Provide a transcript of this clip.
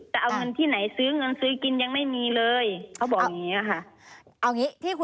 จะเอาเงินที่ไหนซื้อเงินซื้อกินยังไม่มีเลยเขาบอกอย่างนี้ค่ะ